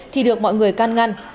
thì được mọi người can ngăn